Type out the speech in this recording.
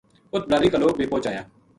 اُت بلادری کا لوک بے پوہچ آیا